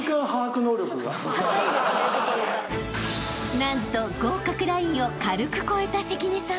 ［何と合格ラインを軽く超えた関根さん］